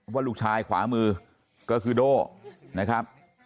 ว่าลูกชายขวามือก็คือโด่นะครับ